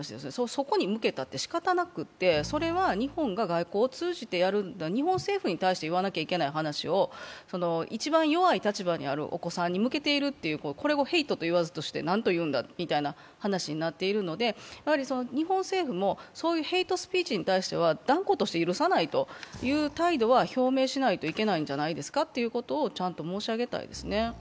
そこに向けたってしかたなくて、それは日本が外交を通じてやる、日本政府に言わなければいけない話を一番弱い立場にあるお子さんに向けている、これをヘイトと言わずとして何と言うんだという話になっていて、日本政府もそういうヘイトスピーチに対しては断固として許さないという態度を表明しないといけないんじゃないですかということをちゃんと申し上げたいですね。